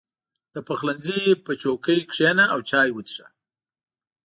• د پخلنځي په چوکۍ کښېنه او چای وڅښه.